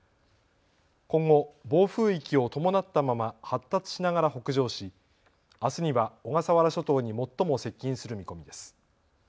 今後、暴風域を伴ったまま発達しながら北上しあすには小笠原諸島に最も接近する見込みです。